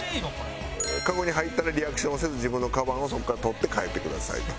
カゴに入ったらリアクションをせず自分のカバンをそこから取って帰ってくださいと。